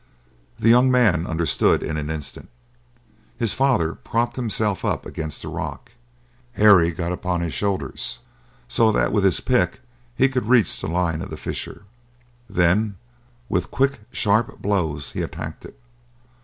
The young man understood in an instant. His father propped himself up against the rock. Harry got upon his shoulders, so that with his pick he could reach the line of the fissure. Then with quick sharp blows he attacked it.